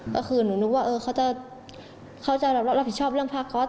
ก็คือหนูนึกว่าเขาจะรับผิดชอบเรื่องผ้าก๊อต